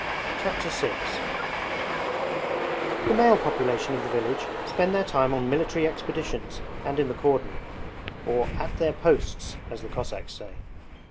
Chapter VI The male population of the village spend their time on military expeditions and in the cordon or 'at their posts', as the Cossacks say.